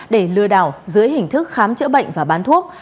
để lừa đảo dưới hình thức khám chữa bệnh và bán thuốc